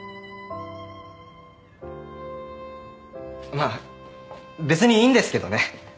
まあ別にいいんですけどね。